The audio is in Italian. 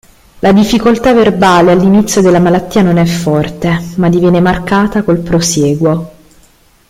La difficoltà verbale all'inizio della malattia non è forte, ma diviene marcata col prosieguo.